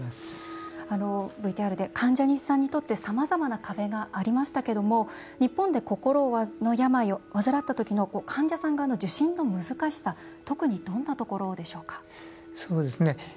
ＶＴＲで患者さんにとってさまざまな壁がありましたけれども日本で、心の病を患った時の患者さん側の受診の難しさ特に、どんなところでしょうか？